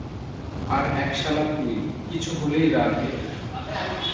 আর এক শালা তুই, কিছু হলেই রাধে!